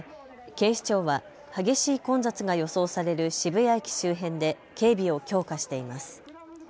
警視庁は激しい混雑が予想される渋谷駅周辺で警備を強化しています。